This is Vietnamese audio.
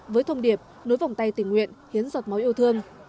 với thông điệp nối vòng tay tình nguyện hiến giọt máu yêu thương